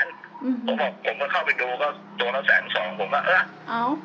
ผมบอกผมก็เข้าไปดูก็ตัวละแสนสองผมก็เออเอา